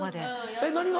えっ何が？